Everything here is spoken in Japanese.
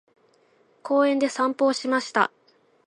公園で散歩をしました。